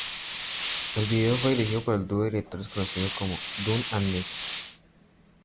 El video fue dirigido por el dúo de directores conocidos como Dom and Nic.